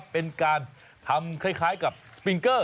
เป็นการทำคล้ายกับสปิงเกอร์